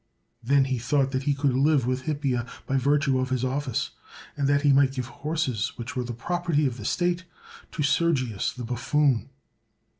Then he thought that he could live with Hippia by virtue of his office, and that he might give horses which were the property of the state to Sergius the buffoon.